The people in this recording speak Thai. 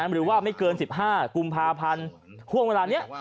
หรือว่าไม่เกิน๑๕กุมภาพันธ์ห่วงเวลานี้